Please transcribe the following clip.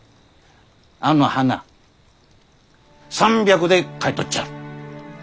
あの花３００で買い取っちゃる！